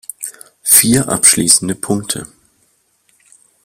Vier abschließende Punkte.